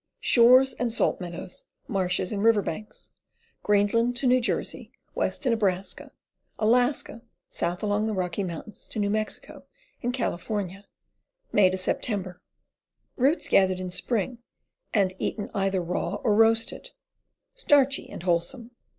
Shores and salt meadows, marshes and river banks. Greenland to N. J., west to Neb.; Alaska, south along Rocky Mts. to N. Mex. and Cal. May Sep. Roots gathered in spring and eaten either raw or roasted. Starchy and wholesome.